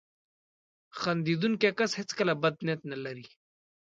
• خندېدونکی کس هیڅکله بد نیت نه لري.